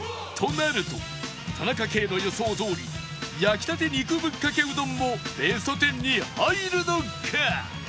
なると田中圭の予想どおり焼きたて肉ぶっかけうどんもベスト１０に入るのか？